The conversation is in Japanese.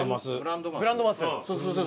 ブランドマス。